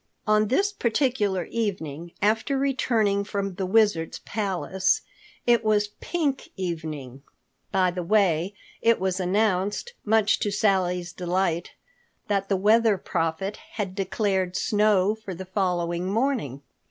On this particular evening after returning from the Wizard's palace,—it was a pink evening, by the way—it was announced much to Sally's delight that the Weather Prophet had declared snow for the following morning.